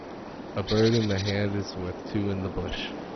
A bird in the hand is worth two in the bush.